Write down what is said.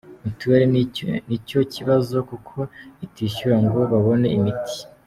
Mutuel nicyo kibazo kuko itishyura ngo babone imiti.